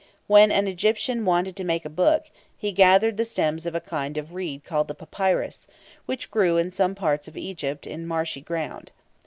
When an Egyptian wanted to make a book, he gathered the stems of a kind of reed called the papyrus, which grew in some parts of Egypt in marshy ground.